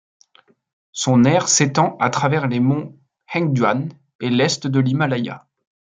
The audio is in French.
Son aire s'étend à travers les monts Hengduan et l'est de l’Himalaya.